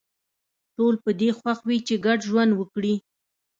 ټول په دې خوښ وي چې ګډ ژوند وکړي